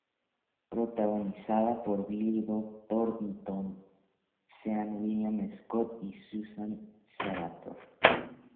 Protagonizada por Billy Bob Thornton, Sean William Scott y Susan Sarandon.